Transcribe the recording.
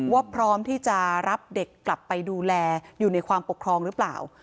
พร้อมที่จะรับเด็กกลับไปดูแลอยู่ในความปกครองหรือเปล่า